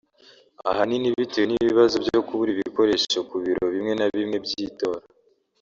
ahanini bitewe n’ibibazo byo kubura ibikoresho ku biro bimwe na bimwe by’itora